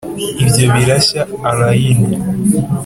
ibyo birashya, allayne.